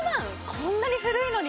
こんなに古いのに？